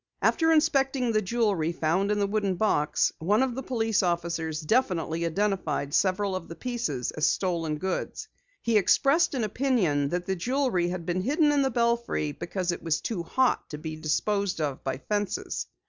After inspecting the jewelry found in the wooden box, one of the police officers definitely identified several of the pieces as stolen goods. He expressed an opinion that the jewelry had been hidden in the belfry because it was too "hot" to be disposed of by fences.